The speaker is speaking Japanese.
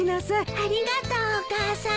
ありがとうお母さん。